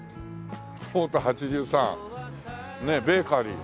ＰＯＲＴ８３。ねえベーカリー。